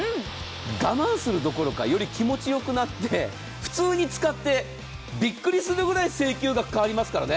我慢するどころかより気持ちよくなって、普通に使ってびっくりするぐらい請求額が変わりますからね。